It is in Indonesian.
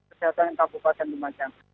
kesehatan kabupaten lumajang